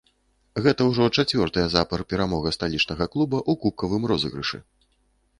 Гэта ўжо чацвёртая запар перамога сталічнага клуба ў кубкавым розыгрышы.